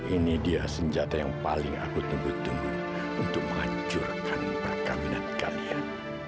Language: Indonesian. ini dia senjata yang paling aku tunggu tunggu untuk menghancurkan perkawinan kalian